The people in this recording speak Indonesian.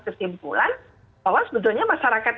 kesimpulan bahwa sebetulnya masyarakat